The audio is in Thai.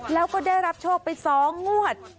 แล้วก็ได้รับโชคไป๒งวด